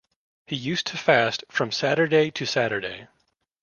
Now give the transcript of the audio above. He used to fast from Saturday to Saturday.